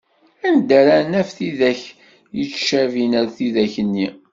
Anda ara naf tidak yettcabin ar tidak-nni?